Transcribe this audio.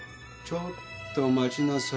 ちょっと待ちなさい。